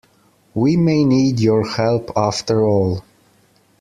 We may need your help after all.